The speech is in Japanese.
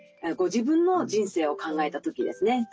ご自分の人生を考えた時ですね